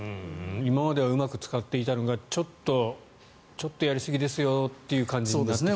今まではうまく使っていたのがちょっとやりすぎですよっていう感じになってきていると。